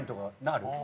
ある？